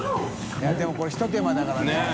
任これひと手間だからね。ねぇ。